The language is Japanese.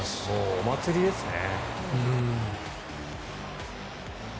お祭りですね。